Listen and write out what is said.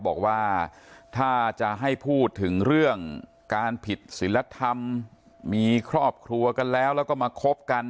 บอกว่าถ้าจะให้พูดถึงเรื่องการผิดศิลธรรมมีครอบครัวกันแล้วแล้วก็มาคบกัน